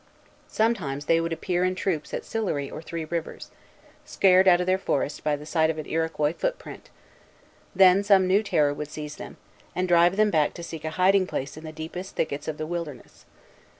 Sometimes they would appear in troops at Sillery or Three Rivers, scared out of their forests by the sight of an Iroquois footprint; then some new terror would seize them, and drive them back to seek a hiding place in the deepest thickets of the wilderness.